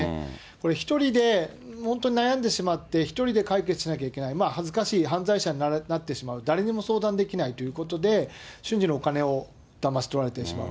これ、１人で本当に悩んでしまって、１人で解決しなきゃいけない、恥ずかしい、犯罪者になってしまう、誰にも相談できないということで、瞬時にお金をだまし取られてしまう。